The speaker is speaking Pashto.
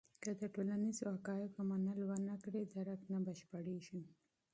که د ټولنیزو حقایقو منل ونه کړې، درک نه بشپړېږي.